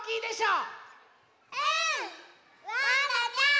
うん！